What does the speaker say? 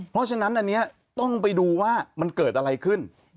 เพราะฉะนั้นอันนี้ต้องไปดูว่ามันเกิดอะไรขึ้น